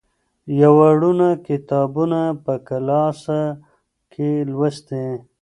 یوه روڼه کتابونه په کلاسه کې لوستي.